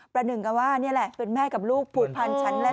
ประหนึ่งก็ว่านี่แหละเป็นแม่กับลูกผูดพันชั้นและเผลอ